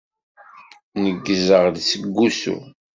Neggzeɣ-d seg usu.